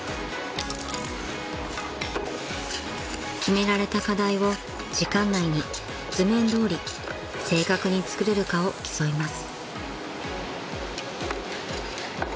［決められた課題を時間内に図面どおり正確に作れるかを競います］